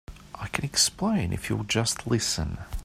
I can explain if you'll just listen.